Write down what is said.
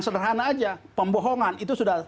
sederhana aja pembohongan itu sudah